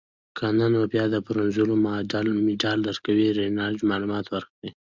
که نه نو بیا د برونزو مډال درکوي. رینالډي معلومات ورکړل.